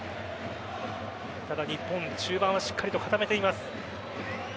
ただ、日本中盤はしっかりと固めています。